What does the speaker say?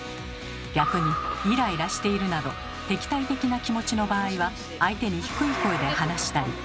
逆にイライラしているなど敵対的な気持ちの場合は相手に低い声で話したり。